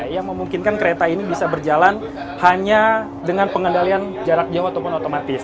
yang memungkinkan kereta ini bisa berjalan hanya dengan pengendalian jarak jauh ataupun otomatis